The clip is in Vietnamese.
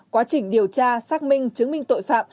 quá trình điều tra xác minh chứng minh tội phạm